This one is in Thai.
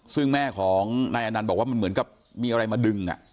ซึ่งแม่ของนายอนันต์บอกว่ามันเหมือนกับมีอะไรมาดึง